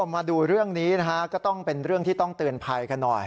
มาดูเรื่องนี้นะฮะก็ต้องเป็นเรื่องที่ต้องเตือนภัยกันหน่อย